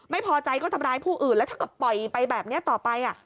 ไม่พอใจก็ทำร้ายผู้อื่นแล้วถ้าเกิดปล่อยไปแบบนี้ต่อไป